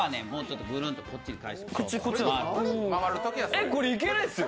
え、これ絶対いけないですよ！